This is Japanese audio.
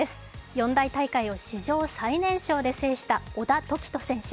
四大大会を史上最年少で制した小田凱人選手。